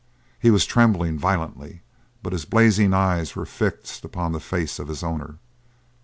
He was trembling violently, but his blazing eyes were fixed upon the face of his owner.